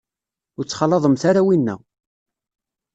Ur ttxalaḍemt ara winna.